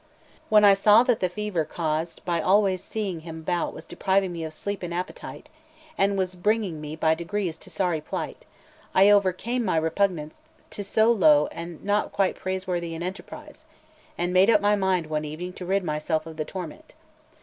When I saw that the fever caused by always seeing him about was depriving me of sleep and appetite, and was bringing me by degrees to sorry plight, I overcame my repugnance to so low and not quite praiseworthy an enterprise, and made my mind up one evening to rid myself of the torment.